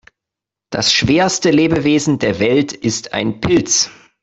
Das schwerste Lebewesen der Welt ist ein Pilz.